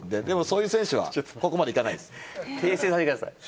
でもそういう選手はここまでいかないです。